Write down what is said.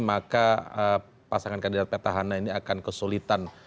maka pasangan kandidat petahana ini akan kesulitan